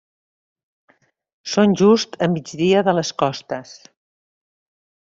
Són just a migdia de les Costes.